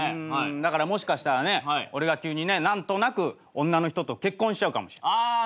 だからもしかしたらね俺が急に何となく女の人と結婚しちゃうかもしれない。